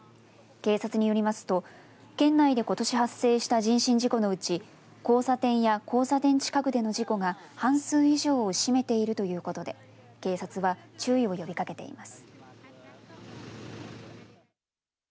警察によりますと県内で、ことし発生した人身事故のうち交差点や交差点近くでの事故が半数以上を占めているということで、警察は注意を呼びかけています。